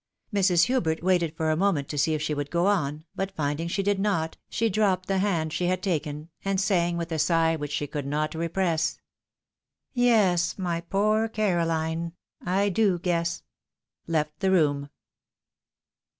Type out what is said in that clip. Mrs. Hubert waited for a moment to see if she would go on, u 322 THE WIDOW MAEMED. but finding she did not, she dropped the hand she had tatsn, and saying, with a sigh which she could not repress, " Yes, my poor Caroline, I do guess," left the room.